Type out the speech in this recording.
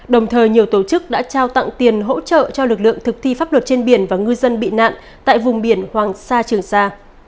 đồng thời nhiều tổ chức đã trao tặng tiền hỗ trợ cho lực lượng thực thi pháp luật trên biển và ngư dân bị nạn tại vùng biển hoàng sa trường sa